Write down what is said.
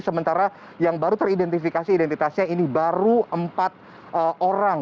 sementara yang baru teridentifikasi identitasnya ini baru empat orang